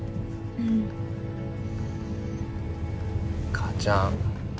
母ちゃん。